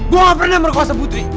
gue gak pernah yang berkuasa putri